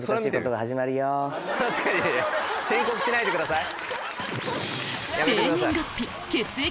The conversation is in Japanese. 宣告しないでください。